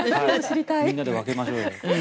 みんなで分けましょうよ。